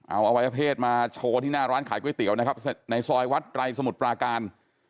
เอาอวัยวะเพศมาโชว์ที่หน้าร้านขายก๋วยเตี๋ยวนะครับในซอยวัดไตรสมุทรปราการ